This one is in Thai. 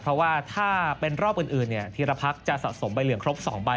เพราะว่าถ้าเป็นรอบอื่นธีรพรรคจะสะสมใบเหลืองครบ๒ใบ